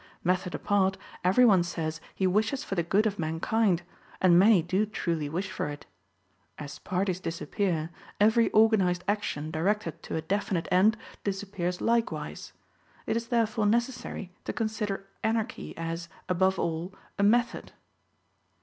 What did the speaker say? Method apart, every one says he wishes for the good of mankind; and many do truly wish for it. As parties disappear, every organized action directed to a definite end disappears likewise. It is therefore necessary to consider Anarchy as, above all, a method.